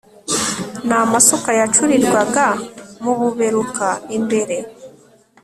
ni amasuka yacurirwaga m'ububeruka imbere